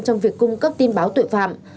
trong việc cung cấp tin báo tội phạm